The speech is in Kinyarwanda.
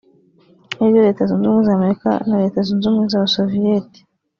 aribyo Leta zunze ubumwe z’Amerika na Leta zunze ubumwe z’abasoviete